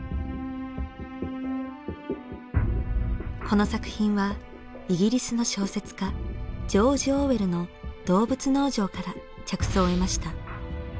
この作品はイギリスの小説家ジョージ・オーウェルの「動物農場」から着想を得ました。